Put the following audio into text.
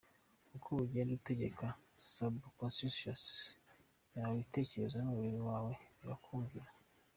Uko ugenda utegeka subconscious yawe ibitekerezo n’umubiri wawe birakumvira.